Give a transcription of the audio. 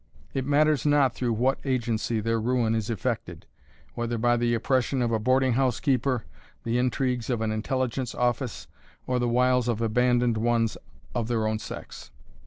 It matters not through what agency their ruin is effected, whether by the oppression of a boarding house keeper, the intrigues of an intelligence office, or the wiles of abandoned ones of their own sex.